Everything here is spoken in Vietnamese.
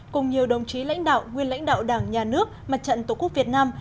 cùng nhiều đồng chí lãnh đạo nguyên lãnh đạo đảng nhà nước mặt trận tổ quốc việt nam